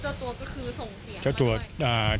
แล้วเจ้าตัวก็คือส่งเสียงมากมาย